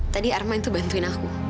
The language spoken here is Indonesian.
tadi arman tuh bantuin aku